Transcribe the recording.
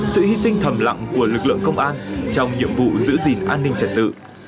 sự hy sinh thầm lặng của lực lượng công an trong nhiệm vụ giữ gìn an ninh trật tự